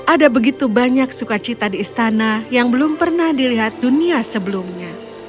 ada begitu banyak sukacita di istana yang belum pernah dilihat dunia sebelumnya